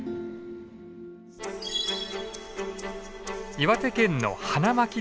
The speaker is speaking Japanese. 岩手県の花巻電鉄。